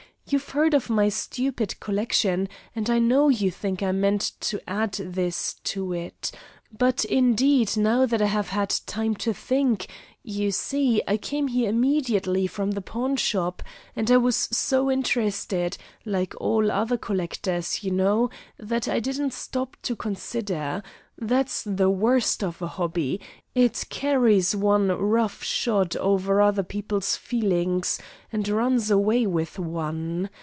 You've heard of my stupid collection, and I know you think I meant to add this to it. But, indeed, now that I have had time to think you see I came here immediately from the pawnshop, and I was so interested, like all collectors, you know, that I didn't stop to consider. That's the worst of a hobby; it carries one rough shod over other people's feelings, and runs away with one.